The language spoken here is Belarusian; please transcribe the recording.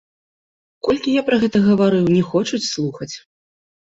Колькі я пра гэта гаварыў, не хочуць слухаць.